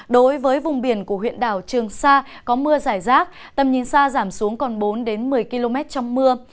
đối với vùng biển của huyện đảo trường sa có mưa giải rác tầm nhìn xa giảm xuống còn bốn một mươi km trong mưa